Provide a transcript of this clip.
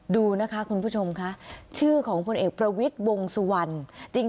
ดูนะคะคุณผู้ชมค่ะชื่อของพลเอกประวิทย์วงสุวรรณจริง